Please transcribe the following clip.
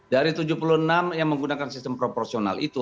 dari tujuh puluh enam yang menggunakan sistem proporsional itu